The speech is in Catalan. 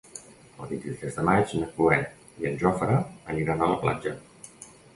El vint-i-tres de maig na Cloè i en Jofre aniran a la platja.